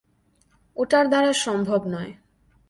ওটার দ্বারা সম্ভব নয়।